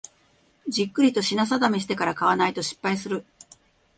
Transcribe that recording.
じっくりと品定めしてから買わないと失敗する